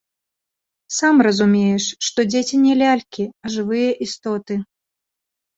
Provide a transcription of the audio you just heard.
Сам разумееш, што дзеці не лялькі, а жывыя істоты.